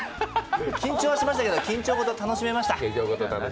緊張はしましたけど、緊張ごと楽しめました。